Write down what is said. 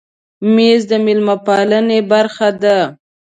مېز د مېلمه پالنې برخه ده.